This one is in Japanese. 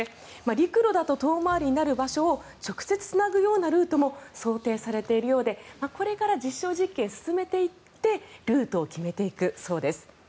陸路だと遠回りになる場所を直接つなぐようなルートを想定されているようでこれから実証実験を進めていってルートを決めていくそうです。